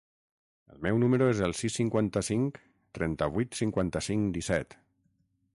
El meu número es el sis, cinquanta-cinc, trenta-vuit, cinquanta-cinc, disset.